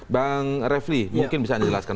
bang refli mungkin bisa dijelaskan